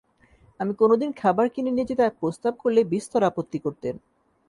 আমি কোনো দিন খাবার কিনে নিয়ে যেতে প্রস্তাব করলে বিস্তর আপত্তি করতেন।